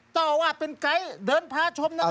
เจ้าอาวาสเป็นไกด์เดินพาชมนะครับ